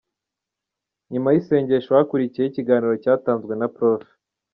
Nyuma y’isengesho hakurikiyeho ikiganiro cyatanzwe na Prof.